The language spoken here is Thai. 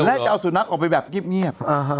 และจะเอาสุนัขออกไปแบบเงียบ